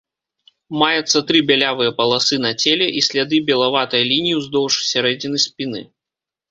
Маецца тры бялявыя паласы на целе, і сляды белаватай лініі ўздоўж сярэдзіны спіны.